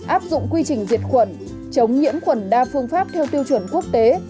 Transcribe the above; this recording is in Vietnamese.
áp dụng quy trình diệt khuẩn chống nhiễm khuẩn đa phương pháp theo tiêu chuẩn quốc tế